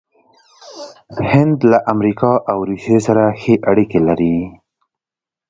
هند له امریکا او روسیې سره ښې اړیکې لري.